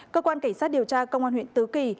cơ quan cảnh sát điều tra công an huyện tứ kỳ